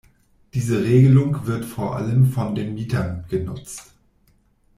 Diese Regelung wird vor allem von den Mietern genutzt.